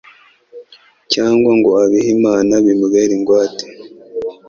cyangwa ngo abihe Imana bimubere ingwate